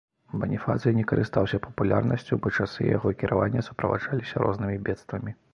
Баніфацый не карыстаўся папулярнасцю, бо часы яго кіравання суправаджаліся рознымі бедствамі.